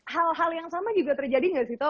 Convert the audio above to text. hal hal yang sama juga terjadi enggak ardhito